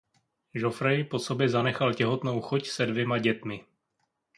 Geoffroy po sobě zanechal těhotnou choť se dvěma dětmi.